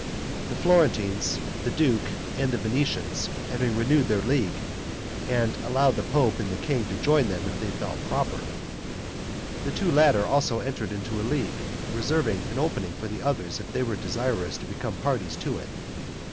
The Florentines, the duke, and the Venetians having renewed their league, and allowed the pope and the king to join them if they thought proper, the two latter also entered into a league, reserving an opening for the others if they were desirous to become parties to it.